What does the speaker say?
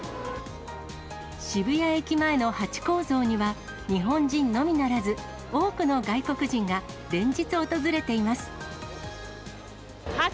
渋谷駅前のハチ公像には、日本人のみならず、多くの外国人が連日、訪れています。